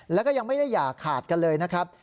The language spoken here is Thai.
แล้วก็ยังไม่ได้อย่าขาดกันเลยนะครับ